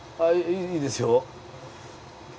いいですよ。